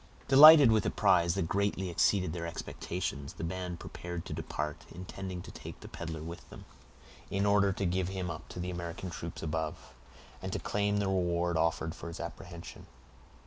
Delighted with a prize that greatly exceeded their expectations, the band prepared to depart, intending to take the peddler with them, in order to give him up to the American troops above, and to claim the reward offered for his apprehension.